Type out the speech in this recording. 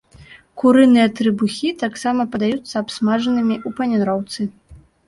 Курыныя трыбухі таксама падаюцца абсмажанымі ў паніроўцы.